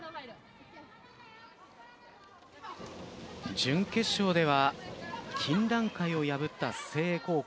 準決勝では金蘭会を破った誠英高校。